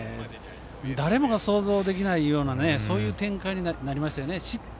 誰もが想像できないようなそういう展開になりましたよね。